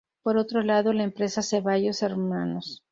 Por otro lado, la empresa Zeballos Hnos.